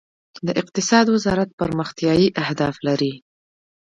د اقتصاد وزارت پرمختیايي اهداف لري؟